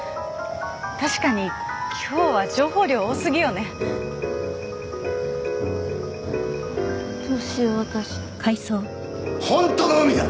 確かに今日は情報量多すぎよねどうしよう私ホントの海だ！